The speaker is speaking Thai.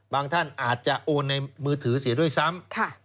ท่านอาจจะโอนในมือถือเสียด้วยซ้ำ